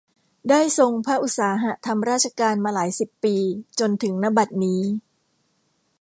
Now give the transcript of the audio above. ได้ทรงพระอุตสาหะทำราชการมาหลายสิบปีจนถึง ณ บัดนี้